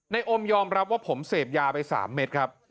อมยอมรับว่าผมเสพยาไป๓เม็ดครับ